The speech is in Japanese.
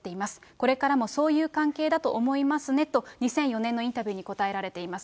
これからもそういう関係だと思いますねと、２００４年のインタビューに答えられています。